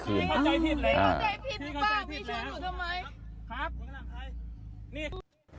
ครับพี่หนูเป็นช้างแต่งหน้านะ